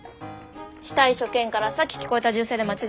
死体所見からさっき聞こえた銃声で間違いない。